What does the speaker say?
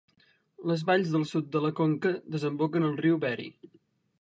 Les valls del sud de la conca desemboquen al riu Bheri.